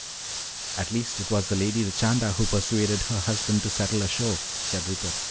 "At least it was the Lady Richanda who persuaded her husband to settle ashore," said Rupert.